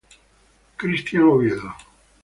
Cristian Oviedo